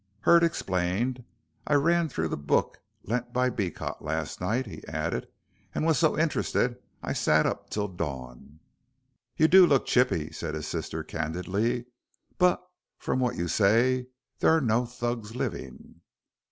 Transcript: Hurd explained. "I ran through the book lent by Beecot last night," he added, "and was so interested I sat up till dawn " "You do look chippy," said his sister, candidly, "but from what you say, there are no Thugs living."